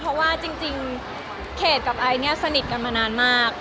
เพราะว่าจริงเขตกับไอซ์เนี่ยสนิทกันมานานมาก